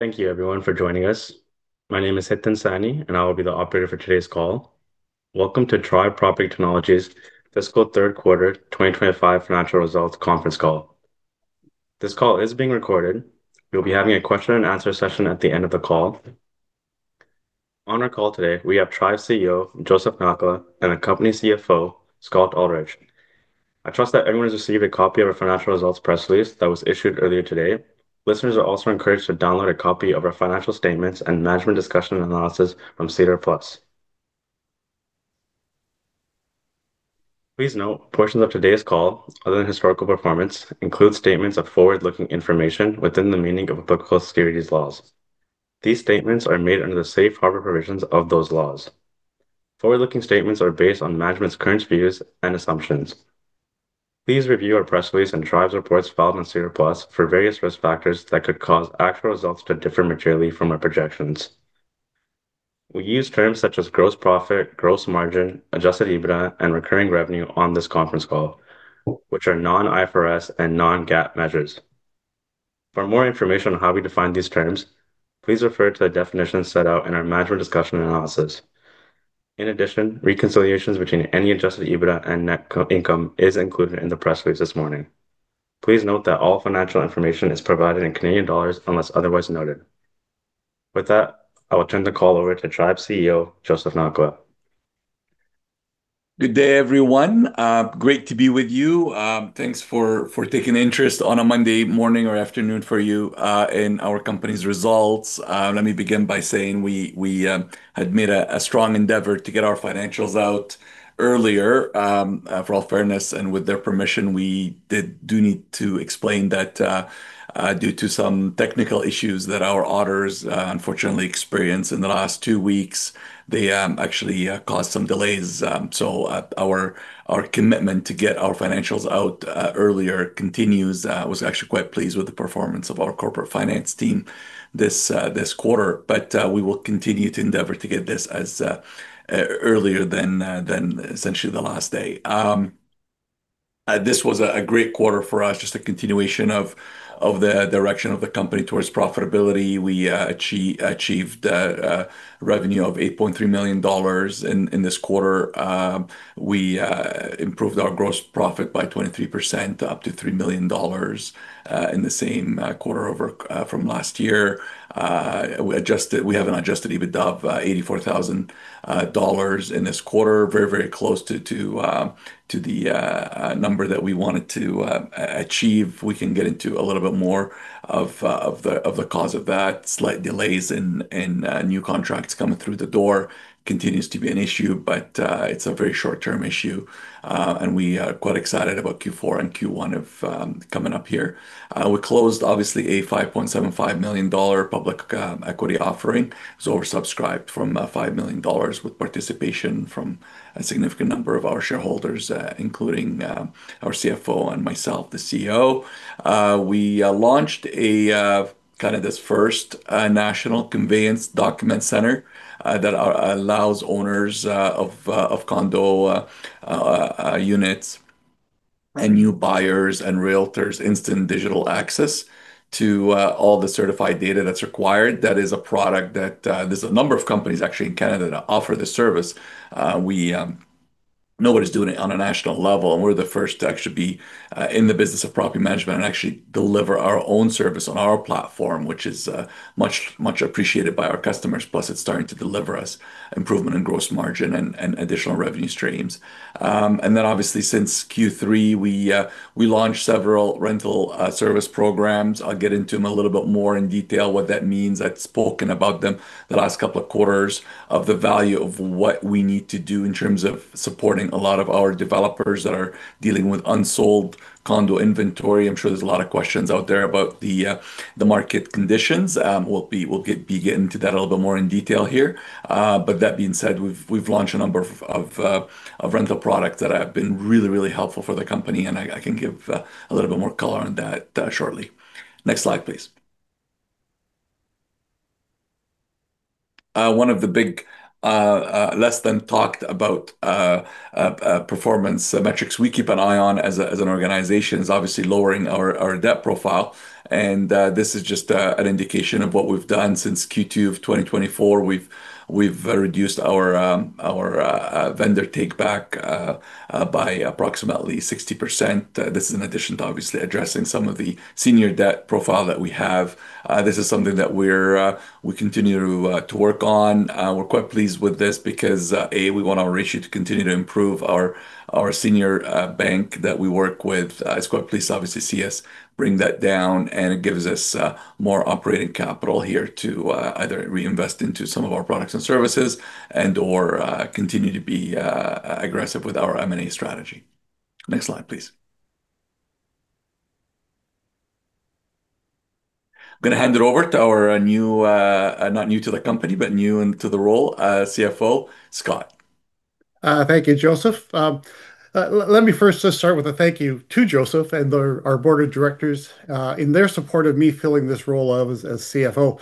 Thank you, everyone, for joining us. My name is Hittan Saini, and I will be the operator for today's call. Welcome to Tribe Property Technologies' Fiscal Third Quarter 2025 Financial Results Conference Call. This call is being recorded. We will be having a question-and-answer session at the end of the call. On our call today, we have Tribe CEO Joseph Nakhla and the company CFO, Scott Ullrich. I trust that everyone has received a copy of our financial results press release that was issued earlier today. Listeners are also encouraged to download a copy of our financial statements and management discussion analysis from SEDAR Plus. Please note, portions of today's call, other than historical performance, include statements of forward-looking information within the meaning of applicable securities laws. These statements are made under the safe harbor provisions of those laws. Forward-looking statements are based on management's current views and assumptions. Please review our press release and Tribe's reports filed on Cedar Plus for various risk factors that could cause actual results to differ materially from our projections. We use terms such as gross profit, gross margin, adjusted EBITDA, and recurring revenue on this conference call, which are non-IFRS and non-GAAP measures. For more information on how we define these terms, please refer to the definitions set out in our management discussion analysis. In addition, reconciliations between any adjusted EBITDA and net income are included in the press release this morning. Please note that all financial information is provided in CAD unless otherwise noted. With that, I will turn the call over to Tribe CEO Joseph Nakhla. Good day, everyone. Great to be with you. Thanks for taking interest on a Monday morning or afternoon for you in our company's results. Let me begin by saying we had made a strong endeavor to get our financials out earlier. For all fairness, and with their permission, we do need to explain that due to some technical issues that our auditors unfortunately experienced in the last two weeks, they actually caused some delays. Our commitment to get our financials out earlier continues. I was actually quite pleased with the performance of our corporate finance team this quarter, but we will continue to endeavor to get this as earlier than essentially the last day. This was a great quarter for us, just a continuation of the direction of the company towards profitability. We achieved revenue of 8.3 million dollars in this quarter. We improved our gross profit by 23%, up to three million dollars in the same quarter from last year. We have an adjusted EBITDA of 84,000 dollars in this quarter, very, very close to the number that we wanted to achieve. We can get into a little bit more of the cause of that. Slight delays in new contracts coming through the door continue to be an issue, but it's a very short-term issue. We are quite excited about Q4 and Q1 coming up here. We closed, obviously, a 5.75 million dollar public equity offering. It was oversubscribed from five million dollars with participation from a significant number of our shareholders, including our CFO and myself, the CEO. We launched kind of this first National Conveyance Document Center that allows owners of condo units and new buyers and realtors instant digital access to all the certified data that's required. That is a product that there's a number of companies actually in Canada that offer the service. We know what it's doing on a national level, and we're the first to actually be in the business of property management and actually deliver our own service on our platform, which is much appreciated by our customers. Plus, it's starting to deliver us improvement in gross margin and additional revenue streams. Obviously, since Q3, we launched several rental service programs. I'll get into them a little bit more in detail, what that means. I've spoken about them the last couple of quarters, of the value of what we need to do in terms of supporting a lot of our developers that are dealing with unsold condo inventory. I'm sure there's a lot of questions out there about the market conditions. We'll be getting into that a little bit more in detail here. That being said, we've launched a number of rental products that have been really, really helpful for the company, and I can give a little bit more color on that shortly. Next slide, please. One of the big less-than-talked-about performance metrics we keep an eye on as an organization is obviously lowering our debt profile. This is just an indication of what we've done since Q2 of 2024. We've reduced our vendor take-back by approximately 60%. This is in addition to, obviously, addressing some of the senior debt profile that we have. This is something that we continue to work on. We're quite pleased with this because, A, we want our ratio to continue to improve. Our senior bank that we work with is quite pleased, obviously, to see us bring that down, and it gives us more operating capital here to either reinvest into some of our products and services and/or continue to be aggressive with our M&A strategy. Next slide, please. I'm going to hand it over to our new, not new to the company, but new to the role, CFO Scott. Thank you, Joseph. Let me first just start with a thank you to Joseph and our board of directors in their support of me filling this role as CFO.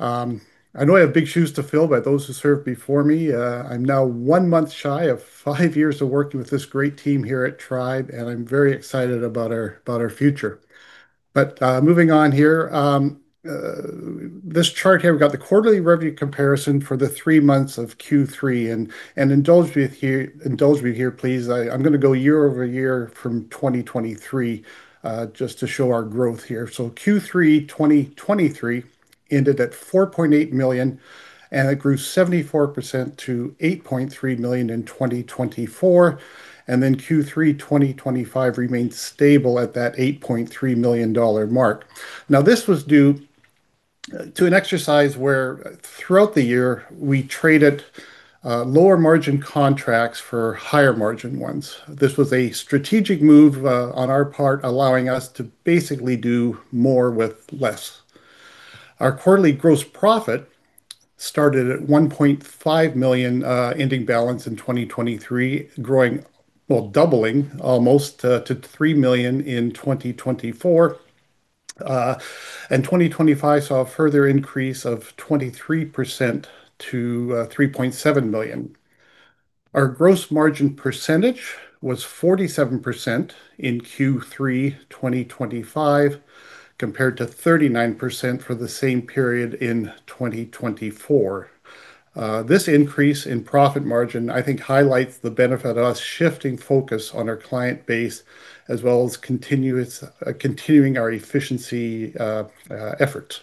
I know I have big shoes to fill, but those who served before me, I'm now one month shy of five years of working with this great team here at Tribe, and I'm very excited about our future. Moving on here, this chart here, we've got the quarterly revenue comparison for the three months of Q3. Indulge me here, please, I'm going to go year over year from 2023 just to show our growth here. Q3 2023 ended at 4.8 million, and it grew 74% to 8.3 million in 2024. Q3 2025 remained stable at that 8.3 million dollar mark. Now, this was due to an exercise where throughout the year, we traded lower margin contracts for higher margin ones. This was a strategic move on our part, allowing us to basically do more with less. Our quarterly gross profit started at 1.5 million ending balance in 2023, growing, well, doubling almost to three million in 2024. In 2025, we saw a further increase of 23% to 3.7 million. Our gross margin percentage was 47% in Q3 2025 compared to 39% for the same period in 2024. This increase in profit margin, I think, highlights the benefit of us shifting focus on our client base as well as continuing our efficiency efforts.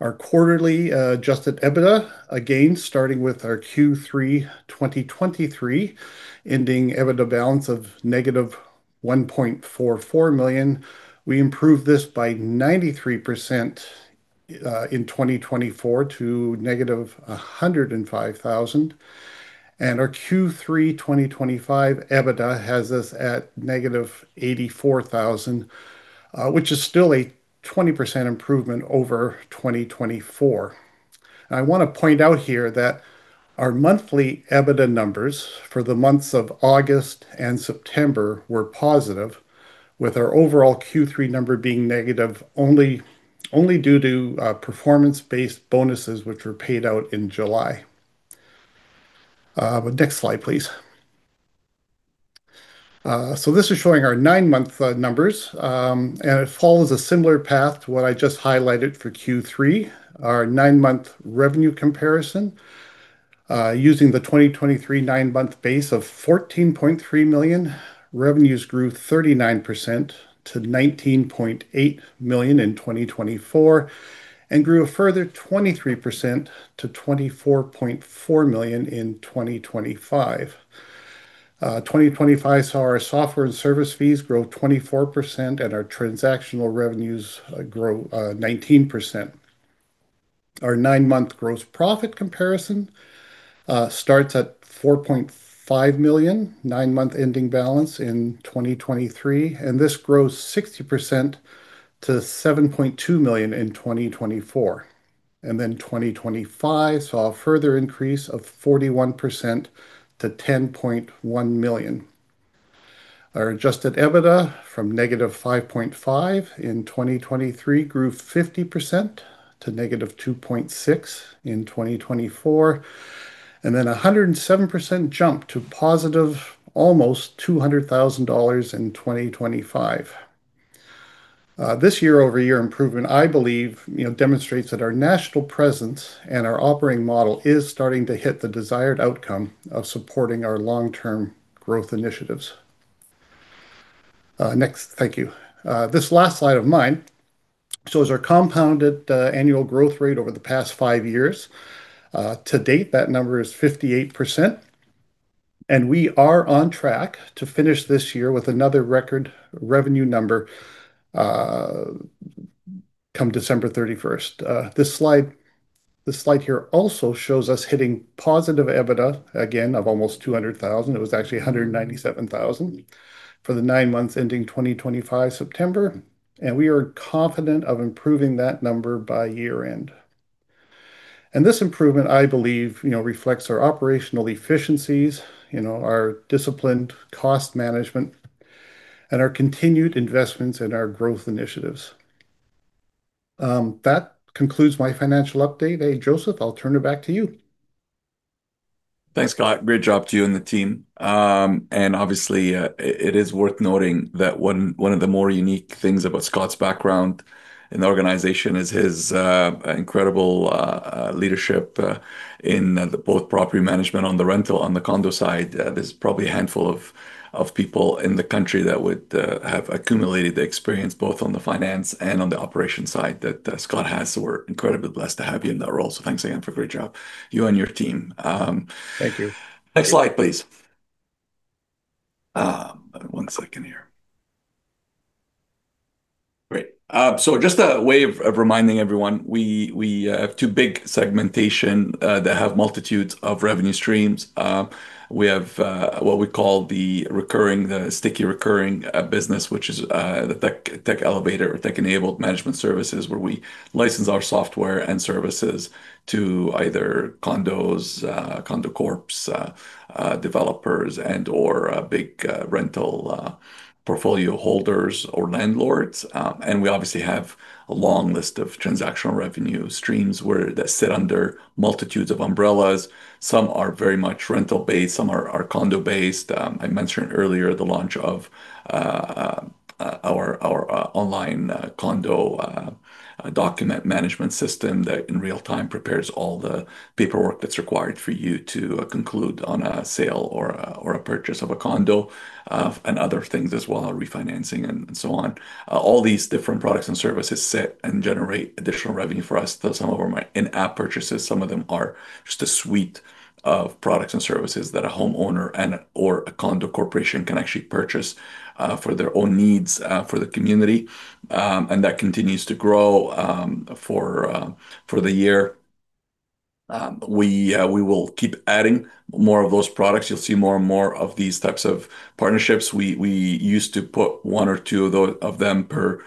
Our quarterly adjusted EBITDA, again, starting with our Q3 2023 ending EBITDA balance of negative 1.44 million, we improved this by 93% in 2024 to negative 105,000. Our Q3 2025 EBITDA has us at negative $84,000, which is still a 20% improvement over 2024. I want to point out here that our monthly EBITDA numbers for the months of August and September were positive, with our overall Q3 number being negative only due to performance-based bonuses, which were paid out in July. Next slide, please. This is showing our nine-month numbers, and it follows a similar path to what I just highlighted for Q3, our nine-month revenue comparison. Using the 2023 nine-month base of $14.3 million, revenues grew 39% to $19.8 million in 2024 and grew a further 23% to $24.4 million in 2025. 2025 saw our software and service fees grow 24%, and our transactional revenues grow 19%. Our nine-month gross profit comparison starts at $4.5 million, nine-month ending balance in 2023, and this grows 60% to $7.2 million in 2024. In 2025, we saw a further increase of 41% to 10.1 million. Our adjusted EBITDA from negative 5.5 million in 2023 grew 50% to negative 2.6 million in 2024, and then a 107% jump to positive almost 200,000 dollars in 2025. This year-over-year improvement, I believe, demonstrates that our national presence and our operating model is starting to hit the desired outcome of supporting our long-term growth initiatives. Next, thank you. This last slide of mine shows our compounded annual growth rate over the past five years. To date, that number is 58%, and we are on track to finish this year with another record revenue number come December 31. This slide here also shows us hitting positive EBITDA, again, of almost 200,000. It was actually 197,000 for the nine months ending September 2025, and we are confident of improving that number by year-end. This improvement, I believe, reflects our operational efficiencies, our disciplined cost management, and our continued investments in our growth initiatives. That concludes my financial update. Joseph, I'll turn it back to you. Thanks, Scott. Great job to you and the team. Obviously, it is worth noting that one of the more unique things about Scott's background in the organization is his incredible leadership in both property management on the rental and on the condo side. There's probably a handful of people in the country that would have accumulated the experience both on the finance and on the operation side that Scott has. We're incredibly blessed to have you in that role. Thanks again for a great job, you and your team. Thank you. Next slide, please. One second here. Great. Just a way of reminding everyone, we have two big segmentations that have multitudes of revenue streams. We have what we call the recurring, the sticky recurring business, which is the tech elevator or tech-enabled management services, where we license our software and services to either condos, condo corps, developers, and/or big rental portfolio holders or landlords. We obviously have a long list of transactional revenue streams that sit under multitudes of umbrellas. Some are very much rental-based. Some are condo-based. I mentioned earlier the launch of our online condo document management system that in real time prepares all the paperwork that's required for you to conclude on a sale or a purchase of a condo and other things as well, refinancing and so on. All these different products and services sit and generate additional revenue for us. Some of them are in-app purchases. Some of them are just a suite of products and services that a homeowner and/or a condo corporation can actually purchase for their own needs for the community. That continues to grow for the year. We will keep adding more of those products. You'll see more and more of these types of partnerships. We used to put one or two of them per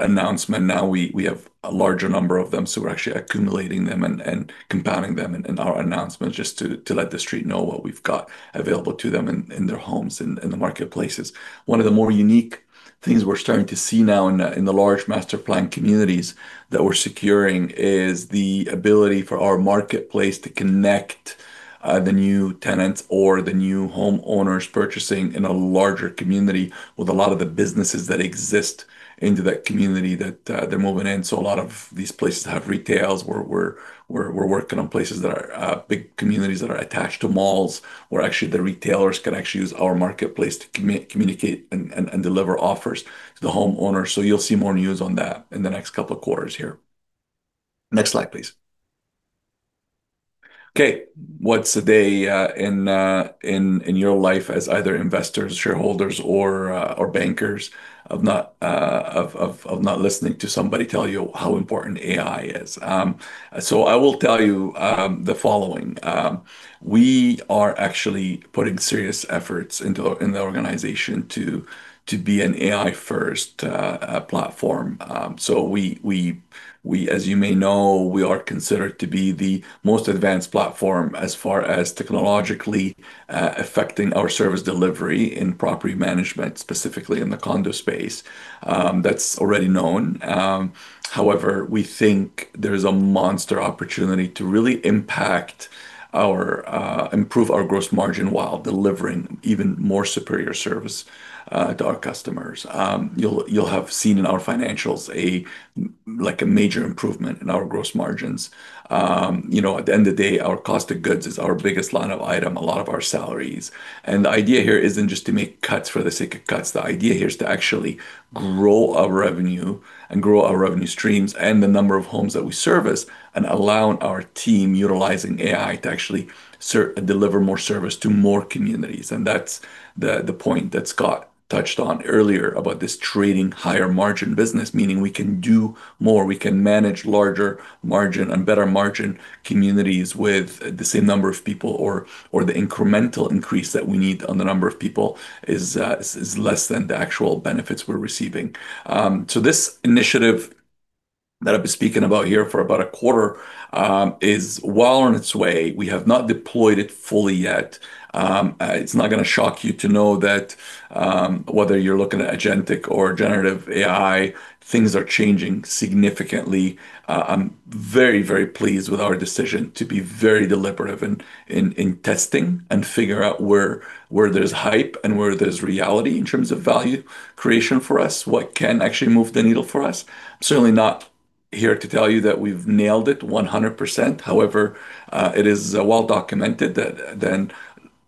announcement. Now we have a larger number of them. We are actually accumulating them and compounding them in our announcements just to let the street know what we've got available to them in their homes and in the marketplaces. One of the more unique things we're starting to see now in the large master plan communities that we're securing is the ability for our marketplace to connect the new tenants or the new homeowners purchasing in a larger community with a lot of the businesses that exist in that community that they're moving in. A lot of these places have retails. We're working on places that are big communities that are attached to malls where actually the retailers can actually use our marketplace to communicate and deliver offers to the homeowners. You will see more news on that in the next couple of quarters here. Next slide, please. Okay. What's a day in your life as either investors, shareholders, or bankers of not listening to somebody tell you how important AI is? I will tell you the following. We are actually putting serious efforts into the organization to be an AI-first platform. As you may know, we are considered to be the most advanced platform as far as technologically affecting our service delivery in property management, specifically in the condo space. That is already known. However, we think there is a monster opportunity to really impact or improve our gross margin while delivering even more superior service to our customers. You will have seen in our financials a major improvement in our gross margins. At the end of the day, our cost of goods is our biggest line item, a lot of our salaries. The idea here is not just to make cuts for the sake of cuts. The idea here is to actually grow our revenue and grow our revenue streams and the number of homes that we service and allow our team utilizing AI to actually deliver more service to more communities. That is the point that Scott touched on earlier about this trading higher margin business, meaning we can do more. We can manage larger margin and better margin communities with the same number of people, or the incremental increase that we need on the number of people is less than the actual benefits we're receiving. This initiative that I've been speaking about here for about a quarter is well on its way. We have not deployed it fully yet. It is not going to shock you to know that whether you're looking at agentic or generative AI, things are changing significantly. I'm very, very pleased with our decision to be very deliberative in testing and figure out where there's hype and where there's reality in terms of value creation for us, what can actually move the needle for us. I'm certainly not here to tell you that we've nailed it 100%. However, it is well documented that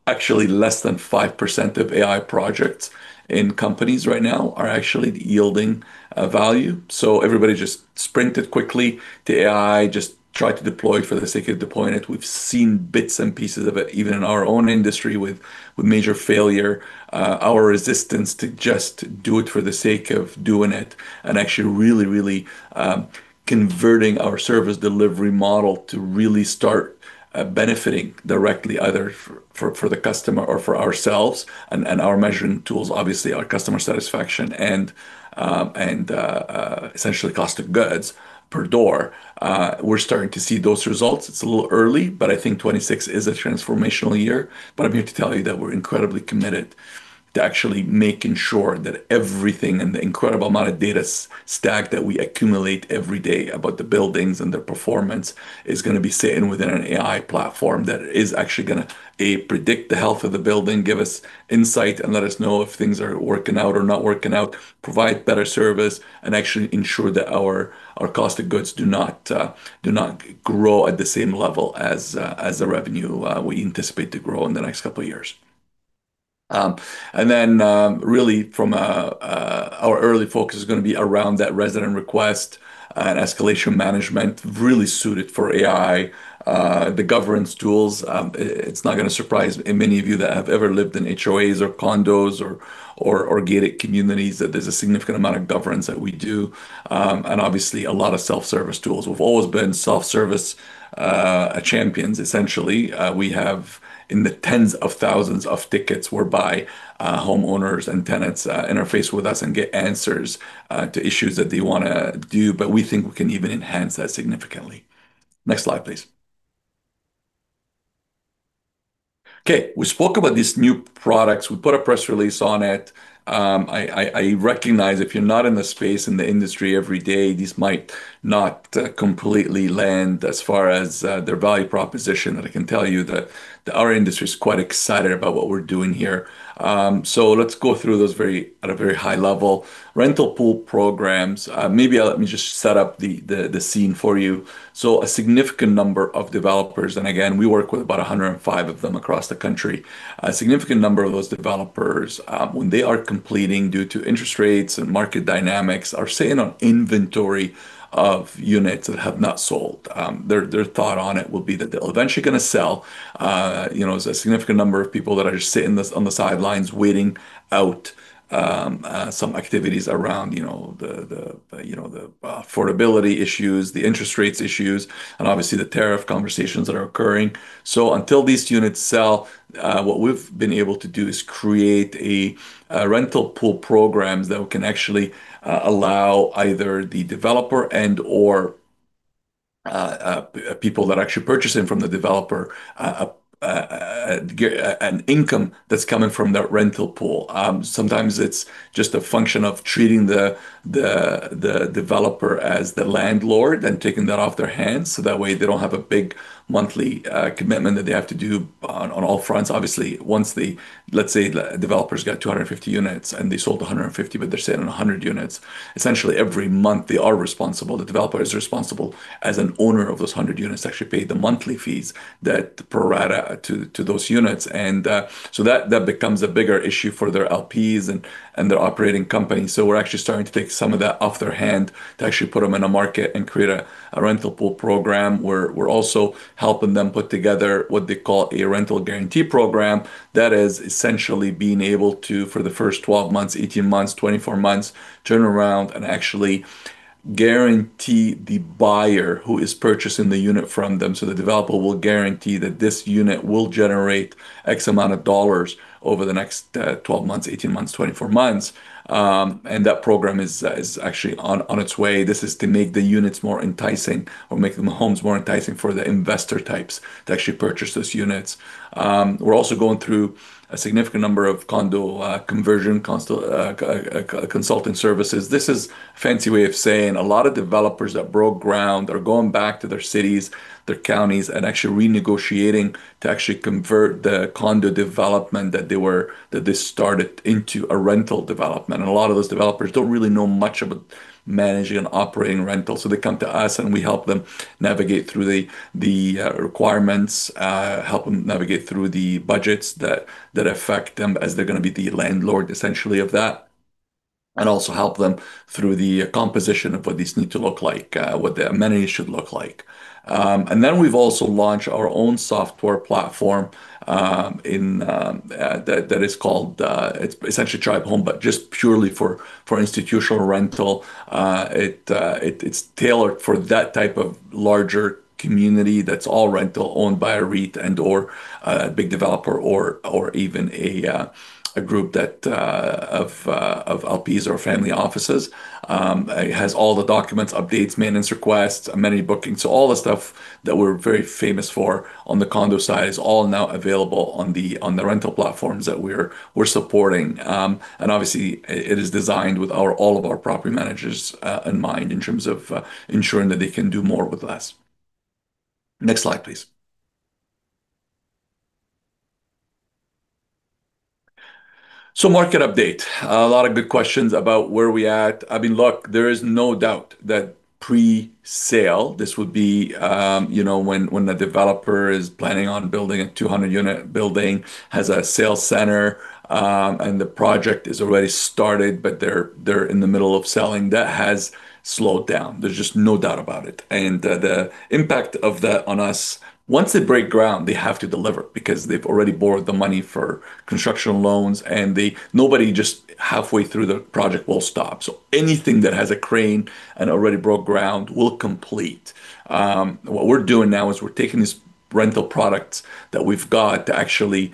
actually less than five percent of AI projects in companies right now are actually yielding value. Everybody just sprinted quickly to AI, just tried to deploy for the sake of deploying it. We've seen bits and pieces of it, even in our own industry with major failure, our resistance to just do it for the sake of doing it, and actually really, really converting our service delivery model to really start benefiting directly either for the customer or for ourselves and our measuring tools, obviously our customer satisfaction and essentially cost of goods per door. We're starting to see those results. It's a little early, but I think 2026 is a transformational year. I'm here to tell you that we're incredibly committed to actually making sure that everything and the incredible amount of data stack that we accumulate every day about the buildings and their performance is going to be sitting within an AI platform that is actually going to predict the health of the building, give us insight, and let us know if things are working out or not working out, provide better service, and actually ensure that our cost of goods do not grow at the same level as the revenue we anticipate to grow in the next couple of years. Really, from our early focus, it is going to be around that resident request and escalation management really suited for AI, the governance tools. It's not going to surprise many of you that have ever lived in HOAs or condos or gated communities that there's a significant amount of governance that we do. Obviously, a lot of self-service tools. We've always been self-service champions, essentially. We have in the tens of thousands of tickets whereby homeowners and tenants interface with us and get answers to issues that they want to do. We think we can even enhance that significantly. Next slide, please. Okay. We spoke about these new products. We put a press release on it. I recognize if you're not in the space in the industry every day, these might not completely land as far as their value proposition. I can tell you that our industry is quite excited about what we're doing here. Let's go through those at a very high level. Rental pool programs, maybe let me just set up the scene for you. A significant number of developers, and again, we work with about 105 of them across the country, a significant number of those developers, when they are completing due to interest rates and market dynamics, are sitting on inventory of units that have not sold. Their thought on it will be that they're eventually going to sell. There is a significant number of people that are just sitting on the sidelines waiting out some activities around the affordability issues, the interest rates issues, and obviously the tariff conversations that are occurring. Until these units sell, what we've been able to do is create rental pool programs that can actually allow either the developer and/or people that actually purchase it from the developer an income that's coming from that rental pool. Sometimes it's just a function of treating the developer as the landlord and taking that off their hands. That way, they don't have a big monthly commitment that they have to do on all fronts. Obviously, let's say the developer's got 250 units and they sold 150, but they're sitting on 100 units. Essentially, every month, the developer is responsible as an owner of those 100 units to actually pay the monthly fees that per rata to those units. That becomes a bigger issue for their LPs and their operating company. We're actually starting to take some of that off their hand to actually put them in a market and create a rental pool program. We're also helping them put together what they call a rental guarantee program. That is essentially being able to, for the first 12 months, 18 months, 24 months, turn around and actually guarantee the buyer who is purchasing the unit from them. The developer will guarantee that this unit will generate X amount of dollars over the next 12 months, 18 months, 24 months. That program is actually on its way. This is to make the units more enticing or make the homes more enticing for the investor types to actually purchase those units. We're also going through a significant number of condo conversion consulting services. This is a fancy way of saying a lot of developers that broke ground are going back to their cities, their counties, and actually renegotiating to actually convert the condo development that they started into a rental development. A lot of those developers don't really know much about managing and operating rentals. They come to us and we help them navigate through the requirements, help them navigate through the budgets that affect them as they're going to be the landlord, essentially, of that, and also help them through the composition of what these need to look like, what the amenities should look like. We have also launched our own software platform that is called, it's essentially Tribe Home, but just purely for institutional rental. It's tailored for that type of larger community that's all rental owned by a REIT and/or a big developer or even a group of LPs or family offices. It has all the documents, updates, maintenance requests, amenity bookings. All the stuff that we're very famous for on the condo side is all now available on the rental platforms that we're supporting. It is designed with all of our property managers in mind in terms of ensuring that they can do more with less. Next slide, please. Market update. A lot of good questions about where we're at. I mean, look, there is no doubt that pre-sale, this would be when a developer is planning on building a 200-unit building, has a sales center, and the project is already started, but they're in the middle of selling. That has slowed down. There's just no doubt about it. The impact of that on us, once they break ground, they have to deliver because they've already borrowed the money for construction loans. Nobody just halfway through the project will stop. Anything that has a crane and already broke ground will complete. What we're doing now is we're taking these rental products that we've got to actually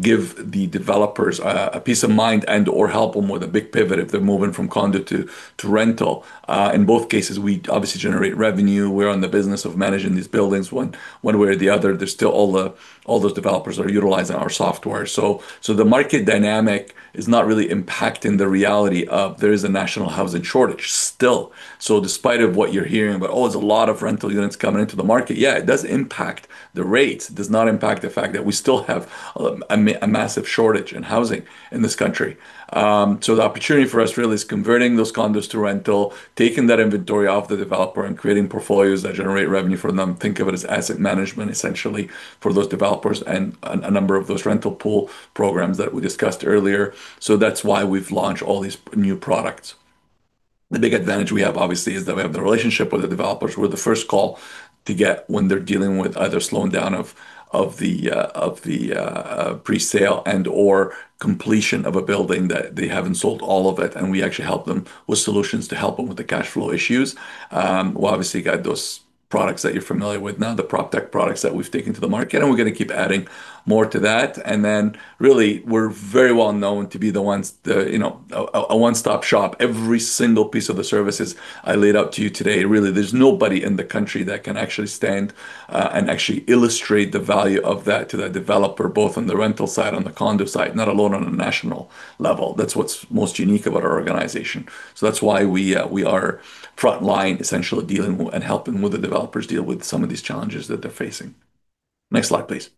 give the developers a peace of mind and/or help them with a big pivot if they're moving from condo to rental. In both cases, we obviously generate revenue. We're in the business of managing these buildings one way or the other. There are still all those developers that are utilizing our software. The market dynamic is not really impacting the reality of there is a national housing shortage still. Despite what you're hearing about, "Oh, there's a lot of rental units coming into the market," yeah, it does impact the rates. It does not impact the fact that we still have a massive shortage in housing in this country. The opportunity for us really is converting those condos to rental, taking that inventory off the developer, and creating portfolios that generate revenue for them. Think of it as asset management, essentially, for those developers and a number of those rental pool programs that we discussed earlier. That is why we have launched all these new products. The big advantage we have, obviously, is that we have the relationship with the developers. We are the first call to get when they are dealing with either slowing down of the pre-sale and/or completion of a building that they have not sold all of. We actually help them with solutions to help them with the cash flow issues. We obviously have those products that you are familiar with now, the PropTech products that we have taken to the market. We are going to keep adding more to that. We are very well known to be the ones a one-stop shop. Every single piece of the services I laid out to you today, really, there is nobody in the country that can actually stand and actually illustrate the value of that to that developer, both on the rental side, on the condo side, not alone on a national level. That is what is most unique about our organization. That is why we are frontline, essentially, dealing and helping the developers deal with some of these challenges that they are facing. Next slide, please.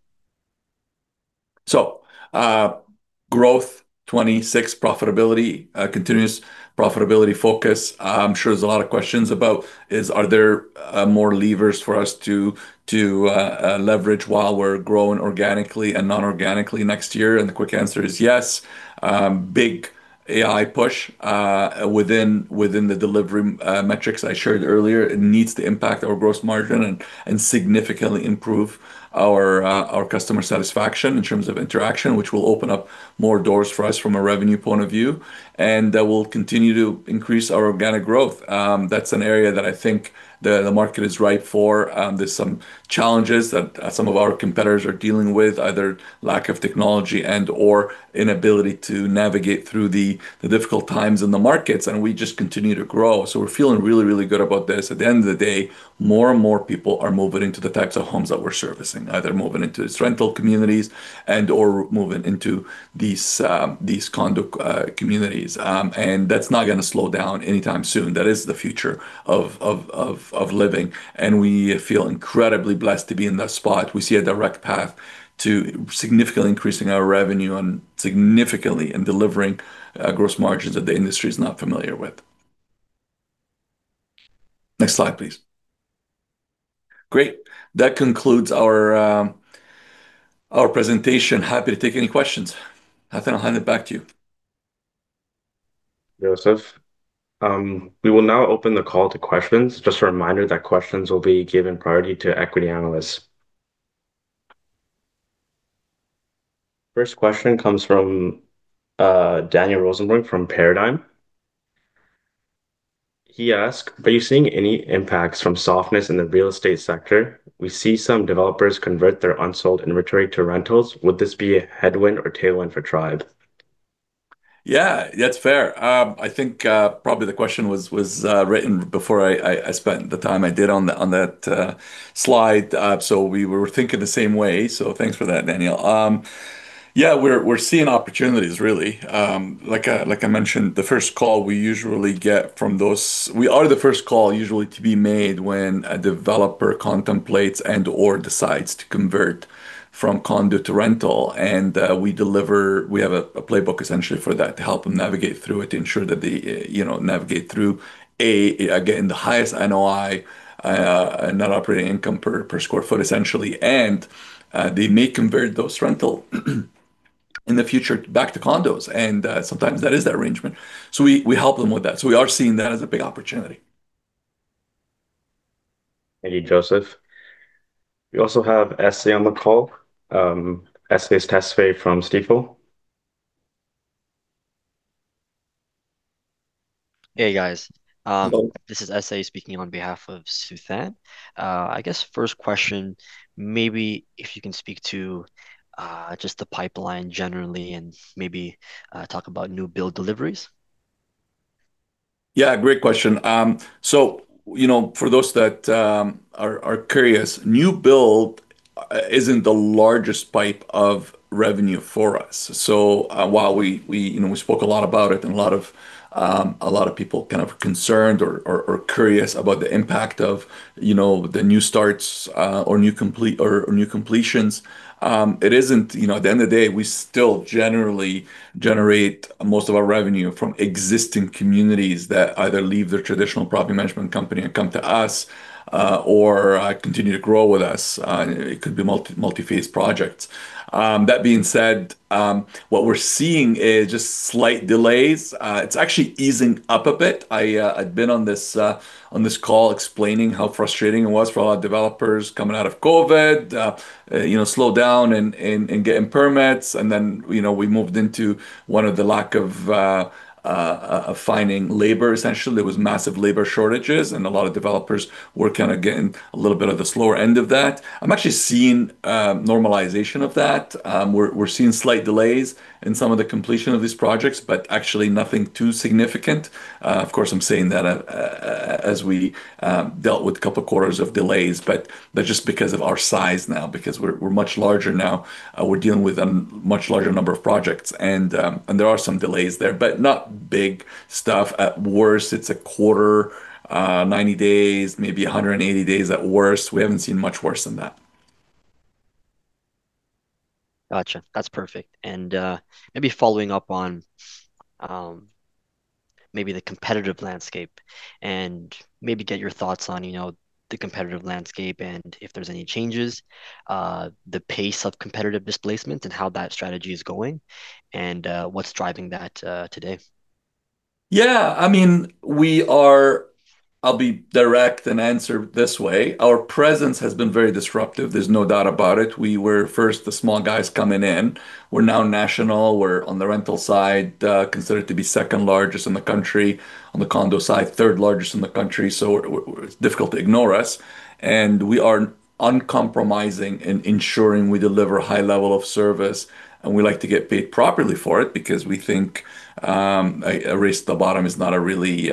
Growth, 2026, continuous profitability focus. I am sure there are a lot of questions about, are there more levers for us to leverage while we are growing organically and non-organically next year? The quick answer is yes. Big AI push within the delivery metrics I shared earlier. It needs to impact our gross margin and significantly improve our customer satisfaction in terms of interaction, which will open up more doors for us from a revenue point of view. We will continue to increase our organic growth. That is an area that I think the market is ripe for. There are some challenges that some of our competitors are dealing with, either lack of technology and/or inability to navigate through the difficult times in the markets. We just continue to grow. We are feeling really, really good about this. At the end of the day, more and more people are moving into the types of homes that we are servicing, either moving into these rental communities and/or moving into these condo communities. That is not going to slow down anytime soon. That is the future of living. We feel incredibly blessed to be in that spot. We see a direct path to significantly increasing our revenue and significantly in delivering gross margins that the industry is not familiar with. Next slide, please. Great. That concludes our presentation. Happy to take any questions. Hittan, I'll hand it back to you. Joseph, we will now open the call to questions. Just a reminder that questions will be given priority to equity analysts. First question comes from Daniel Rosenberg from Paradigm. He asked, "Are you seeing any impacts from softness in the real estate sector? We see some developers convert their unsold inventory to rentals. Would this be a headwind or tailwind for Tribe? Yeah, that's fair. I think probably the question was written before I spent the time I did on that slide. We were thinking the same way. Thanks for that, Danielle. We're seeing opportunities, really. Like I mentioned, we are the first call usually to be made when a developer contemplates and/or decides to convert from condo to rental. We have a playbook, essentially, for that to help them navigate through it, ensure that they navigate through, again, the highest NOI, net operating income per sq ft, essentially. They may convert those rental in the future back to condos. Sometimes that is the arrangement. We help them with that. We are seeing that as a big opportunity. Thank you, Joseph. We also have Isaiah on the call. Isaiah Tessfaye from Stifel. Hey, guys. This is Isaiah speaking on behalf of Suthan. I guess first question, maybe if you can speak to just the pipeline generally and maybe talk about new build deliveries. Yeah, great question. For those that are curious, new build isn't the largest pipe of revenue for us. While we spoke a lot about it and a lot of people are kind of concerned or curious about the impact of the new starts or new completions, it isn't. At the end of the day, we still generally generate most of our revenue from existing communities that either leave their traditional property management company and come to us or continue to grow with us. It could be multi-phase projects. That being said, what we're seeing is just slight delays. It's actually easing up a bit. I had been on this call explaining how frustrating it was for a lot of developers coming out of COVID, slow down and get permits. We moved into one of the lack of finding labor, essentially. There was massive labor shortages and a lot of developers were kind of getting a little bit of the slower end of that. I'm actually seeing normalization of that. We're seeing slight delays in some of the completion of these projects, but actually nothing too significant. Of course, I'm saying that as we dealt with a couple of quarters of delays, but that's just because of our size now, because we're much larger now. We're dealing with a much larger number of projects. There are some delays there, but not big stuff. At worst, it's a quarter, 90 days, maybe 180 days at worst. We haven't seen much worse than that. Gotcha. That's perfect. Maybe following up on the competitive landscape and maybe get your thoughts on the competitive landscape and if there's any changes, the pace of competitive displacement and how that strategy is going and what's driving that today. Yeah. I mean, I'll be direct and answer this way. Our presence has been very disruptive. There's no doubt about it. We were first the small guys coming in. We're now national. We're on the rental side, considered to be second largest in the country. On the condo side, third largest in the country. It is difficult to ignore us. We are uncompromising in ensuring we deliver a high level of service. We like to get paid properly for it because we think a race to the bottom is not a really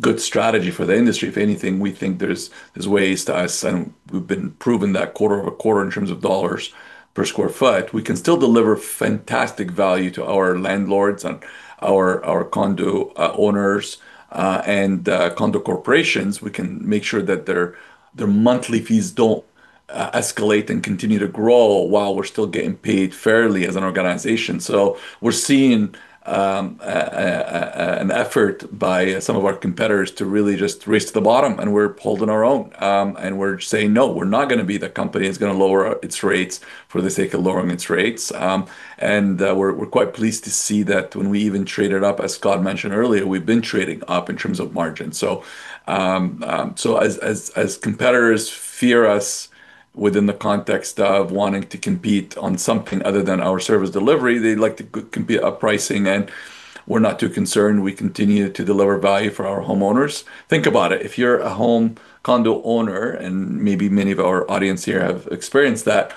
good strategy for the industry. If anything, we think there are ways to us. We have been proving that quarter over quarter in terms of dollars per square foot. We can still deliver fantastic value to our landlords and our condo owners and condo corporations. We can make sure that their monthly fees do not escalate and continue to grow while we are still getting paid fairly as an organization. We are seeing an effort by some of our competitors to really just race to the bottom. We are holding our own. We are saying, "No, we are not going to be the company that is going to lower its rates for the sake of lowering its rates." We are quite pleased to see that when we even traded up, as Scott mentioned earlier, we have been trading up in terms of margin. As competitors fear us within the context of wanting to compete on something other than our service delivery, they like to compete up pricing. We are not too concerned. We continue to deliver value for our homeowners. Think about it. If you're a home condo owner, and maybe many of our audience here have experienced that,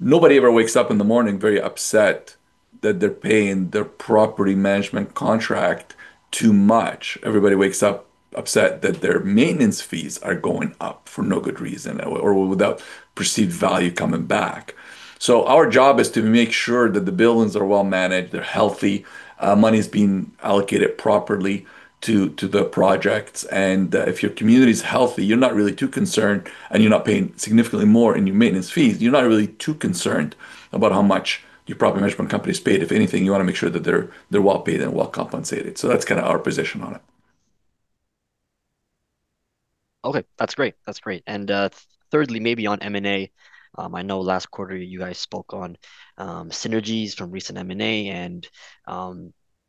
nobody ever wakes up in the morning very upset that they're paying their property management contract too much. Everybody wakes up upset that their maintenance fees are going up for no good reason or without perceived value coming back. Our job is to make sure that the buildings are well managed, they're healthy, money's being allocated properly to the projects. If your community's healthy, you're not really too concerned. You're not paying significantly more in your maintenance fees. You're not really too concerned about how much your property management company is paid. If anything, you want to make sure that they're well paid and well compensated. That's kind of our position on it. Okay. That's great. That's great. Thirdly, maybe on M&A, I know last quarter you guys spoke on synergies from recent M&A and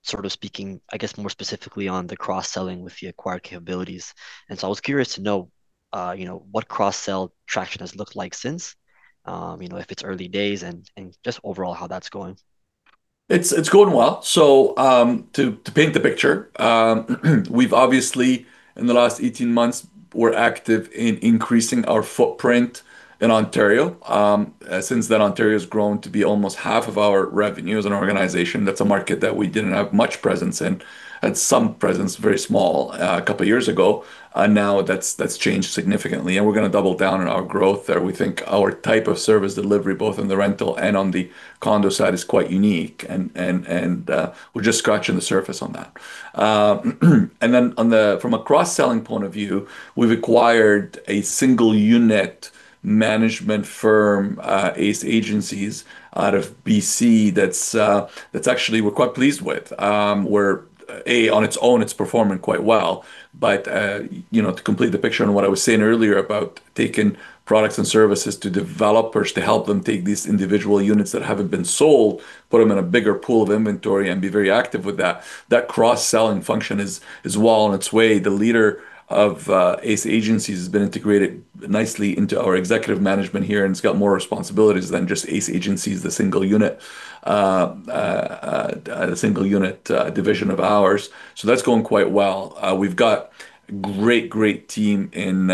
sort of speaking, I guess, more specifically on the cross-selling with the acquired capabilities. I was curious to know what cross-sell traction has looked like since, if it's early days, and just overall how that's going. It's going well. To paint the picture, we've obviously, in the last 18 months, we're active in increasing our footprint in Ontario. Since then, Ontario has grown to be almost half of our revenues in our organization. That's a market that we didn't have much presence in. Had some presence, very small, a couple of years ago. Now that's changed significantly. We're going to double down on our growth there. We think our type of service delivery, both in the rental and on the condo side, is quite unique. We're just scratching the surface on that. From a cross-selling point of view, we've acquired a single unit management firm-based agency out of BC that actually we're quite pleased with. Where, A, on its own, it's performing quite well. To complete the picture on what I was saying earlier about taking products and services to developers to help them take these individual units that have not been sold, put them in a bigger pool of inventory, and be very active with that, that cross-selling function is well on its way. The leader of ACE Agencies has been integrated nicely into our executive management here. And it has more responsibilities than just ACE Agencies, the single unit division of ours. That is going quite well. We have got a great, great team in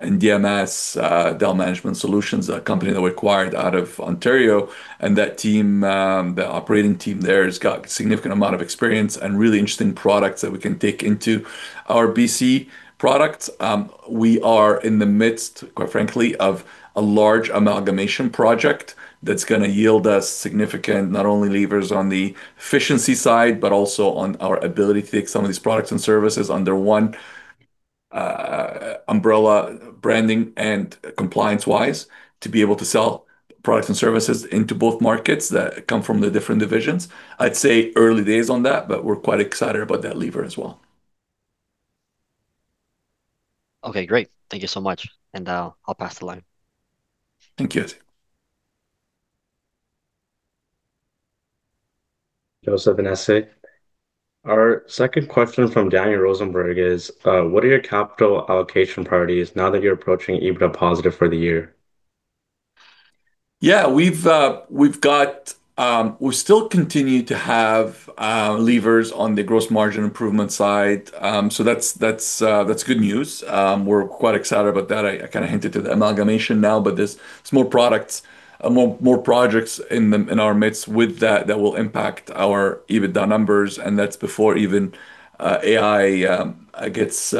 DMSI, a company that we acquired out of Ontario. That team, the operating team there, has got a significant amount of experience and really interesting products that we can take into our BC products. We are in the midst, quite frankly, of a large amalgamation project that is going to yield us significant not only levers on the efficiency side, but also on our ability to take some of these products and services under one umbrella branding and compliance-wise to be able to sell products and services into both markets that come from the different divisions. I'd say early days on that, but we're quite excited about that lever as well. Okay, great. Thank you so much. I'll pass the line. Thank you. Joseph and Esai. Our second question from Daniel Rosenberg is, what are your capital allocation priorities now that you're approaching EBITDA positive for the year? Yeah, we still continue to have levers on the gross margin improvement side. That is good news. We are quite excited about that. I kind of hinted to the amalgamation now, but there are more products, more projects in our midst with that that will impact our EBITDA numbers. That is before even AI gets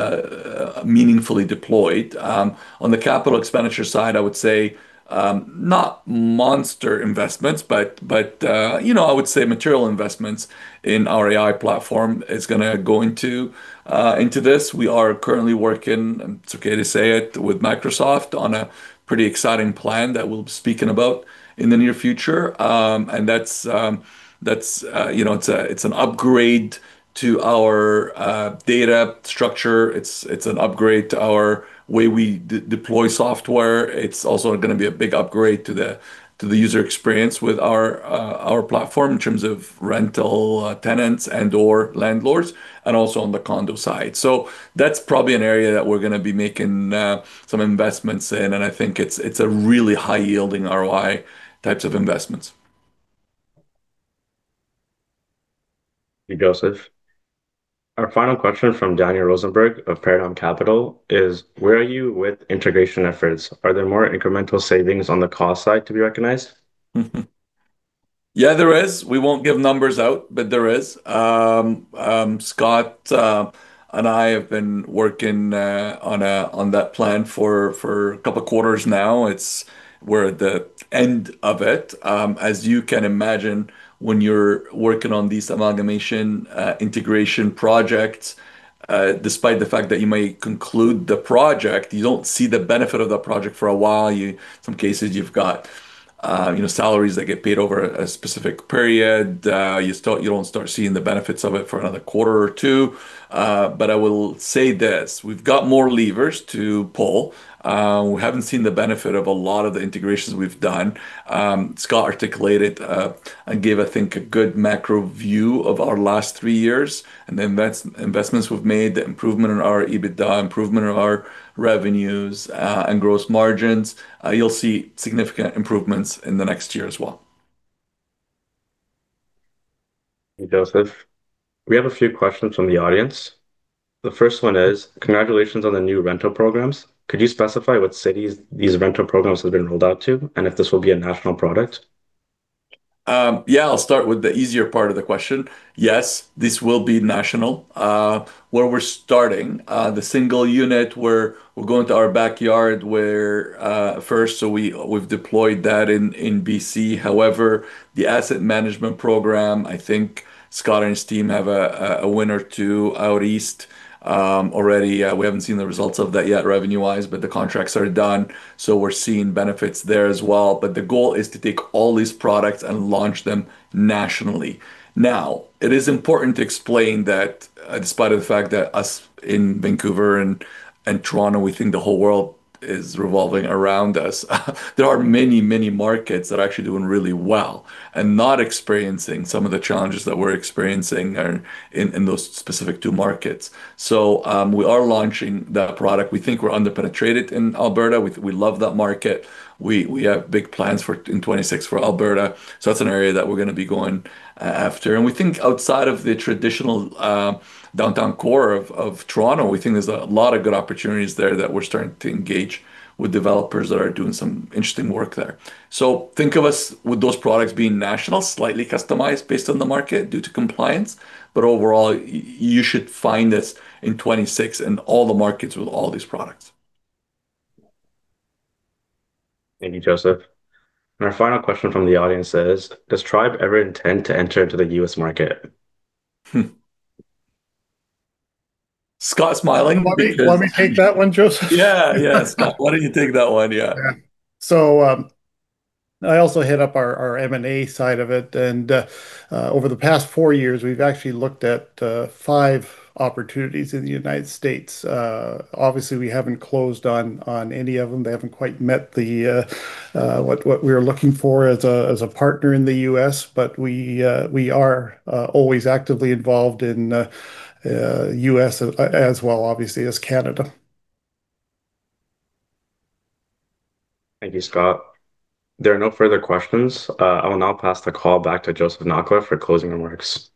meaningfully deployed. On the capital expenditure side, I would say not monster investments, but I would say material investments in our AI platform are going to go into this. We are currently working, it is okay to say it, with Microsoft on a pretty exciting plan that we will be speaking about in the near future. That is an upgrade to our data structure. It is an upgrade to our way we deploy software. is also going to be a big upgrade to the user experience with our platform in terms of rental tenants and/or landlords, and also on the condo side. That is probably an area that we are going to be making some investments in. I think it is a really high-yielding ROI types of investments. Thank you, Joseph. Our final question from Daniel Rosenberg of Paradigm Capital is, where are you with integration efforts? Are there more incremental savings on the cost side to be recognized? Yeah, there is. We won't give numbers out, but there is. Scott and I have been working on that plan for a couple of quarters now. It's we're at the end of it. As you can imagine, when you're working on these amalgamation integration projects, despite the fact that you may conclude the project, you don't see the benefit of the project for a while. In some cases, you've got salaries that get paid over a specific period. You don't start seeing the benefits of it for another quarter or two. I will say this. We've got more levers to pull. We haven't seen the benefit of a lot of the integrations we've done. Scott articulated and gave, I think, a good macro view of our last three years. The investments we have made, the improvement in our EBITDA, improvement in our revenues, and gross margins, you will see significant improvements in the next year as well. Thank you, Joseph. We have a few questions from the audience. The first one is, congratulations on the new rental programs. Could you specify what cities these rental programs have been rolled out to and if this will be a national product? Yeah, I'll start with the easier part of the question. Yes, this will be national. Where we're starting, the single unit where we're going to our backyard first. So we've deployed that in BC. However, the asset management program, I think Scott and his team have a win or two out east already. We haven't seen the results of that yet revenue-wise, but the contracts are done. We're seeing benefits there as well. The goal is to take all these products and launch them nationally. Now, it is important to explain that despite the fact that us in Vancouver and Toronto, we think the whole world is revolving around us, there are many, many markets that are actually doing really well and not experiencing some of the challenges that we're experiencing in those specific two markets. We are launching that product. We think we're underpenetrated in Alberta. We love that market. We have big plans in 2026 for Alberta. That is an area that we are going to be going after. We think outside of the traditional downtown core of Toronto, we think there are a lot of good opportunities there that we are starting to engage with developers that are doing some interesting work there. Think of us with those products being national, slightly customized based on the market due to compliance. Overall, you should find us in 2026 in all the markets with all these products. Thank you, Joseph. Our final question from the audience is, does Tribe ever intend to enter into the U.S. market? Scott smiling. Let me take that one, Joseph. Yeah, yeah. Scott, why don't you take that one? Yeah. I also hit up our M&A side of it. Over the past four years, we've actually looked at five opportunities in the U.S. Obviously, we haven't closed on any of them. They haven't quite met what we were looking for as a partner in the U.S. We are always actively involved in the U.S. as well, obviously, as Canada. Thank you, Scott. There are no further questions. I will now pass the call back to Joseph Nakhla for closing remarks.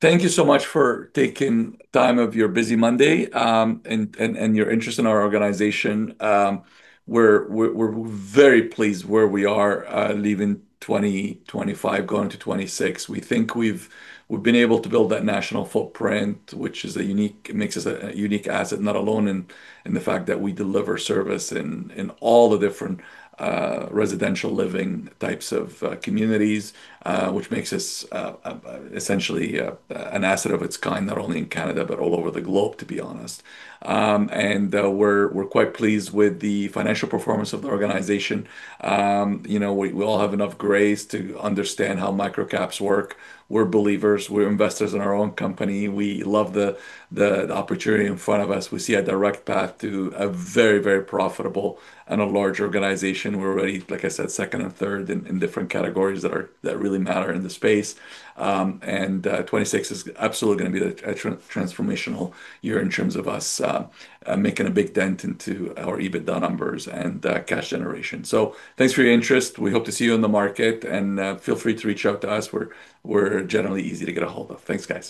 Thank you so much for taking time of your busy Monday and your interest in our organization. We're very pleased where we are leaving 2025, going to 2026. We think we've been able to build that national footprint, which makes us a unique asset, not alone in the fact that we deliver service in all the different residential living types of communities, which makes us essentially an asset of its kind, not only in Canada, but all over the globe, to be honest. We're quite pleased with the financial performance of the organization. We all have enough grace to understand how microcaps work. We're believers. We're investors in our own company. We love the opportunity in front of us. We see a direct path to a very, very profitable and a large organization. We're already, like I said, second and third in different categories that really matter in the space. Twenty twenty-six is absolutely going to be a transformational year in terms of us making a big dent into our EBITDA numbers and cash generation. Thanks for your interest. We hope to see you in the market. Feel free to reach out to us. We're generally easy to get a hold of. Thanks, guys.